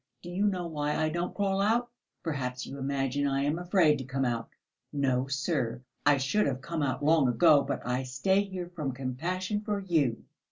Do you know why I don't crawl out? Perhaps you imagine I am afraid to come out? No, sir, I should have come out long ago, but I stay here from compassion for you.